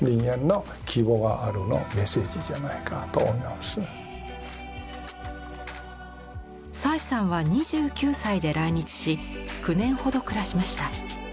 もし人間は蔡さんは２９歳で来日し９年ほど暮らしました。